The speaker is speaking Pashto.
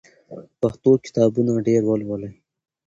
پښتو کتابونه ډېر ولولئ.